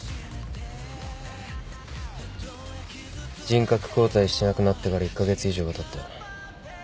人格交代しなくなってから１カ月以上がたった。